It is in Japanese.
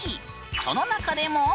その中でも。